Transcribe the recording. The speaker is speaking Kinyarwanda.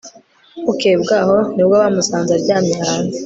bukeye bwaho nibwo bamusanze aryamye hanze